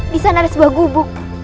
di sana ada sebuah gubuk